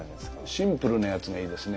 シンプルなやつがいいですね。